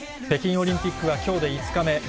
北京オリンピックはきょうで５日目。